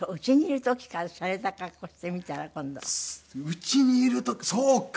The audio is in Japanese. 家にいる時そうか。